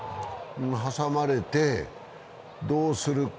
挟まれて、どうするか。